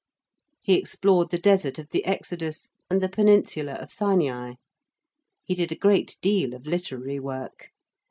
He explored the Desert of the Exodus and the Peninsula of Sinai. He did a great deal of literary work.